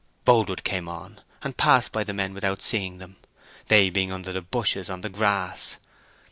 Boldwood came on, and passed by the men without seeing them, they being under the bushes on the grass.